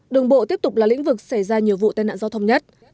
đường bộ tiếp tục là lĩnh vực xảy ra nhiều vụ tai nạn giao thông nhất